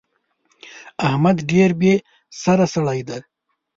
احمد ډېر بې سره سړی دی.